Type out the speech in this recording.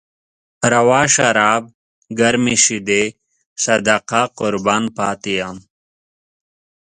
روا شراب، ګرمې شيدې، صدقه قربان پاتې يم